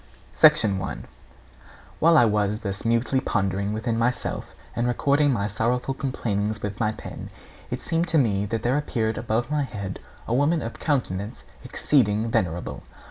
I. While I was thus mutely pondering within myself, and recording my sorrowful complainings with my pen, it seemed to me that there appeared above my head a woman of a countenance exceeding venerable.